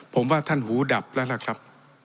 ผมว่าท่านหูดับแล้วล่ะครับ